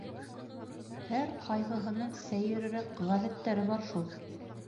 Һәр ҡайһыһының сәйерерәк ғәҙәттәре бар шул.